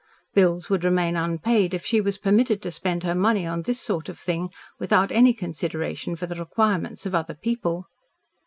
Bills would remain unpaid if she was permitted to spend her money on this sort of thing without any consideration for the requirements of other people.